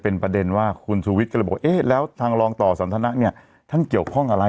เป็นประเด็นว่าคุณชูวิทย์ก็เลยบอกเอ๊ะแล้วทางรองต่อสันทนะเนี่ยท่านเกี่ยวข้องอะไร